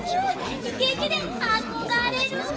イケイケであこがれる！